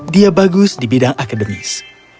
dia bagus di bidang akademis